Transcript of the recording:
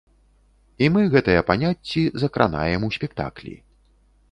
І мы гэтыя паняцці закранаем у спектаклі.